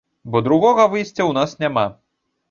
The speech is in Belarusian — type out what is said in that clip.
Бо другога выйсця ў нас няма.